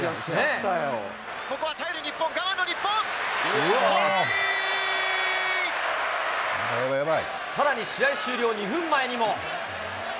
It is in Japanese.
ここは耐える日本、ガード日さらに試合終了２分前にも。